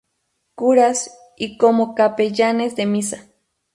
Curas y como capellanes de Misa.